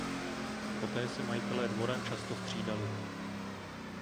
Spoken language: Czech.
Poté se majitelé dvora často střídali.